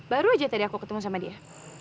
baru aja tadi aku ketemu sama dia